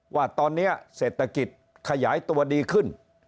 ว่าตอนนี้เศรษฐกิจขยายตัวดีขึ้น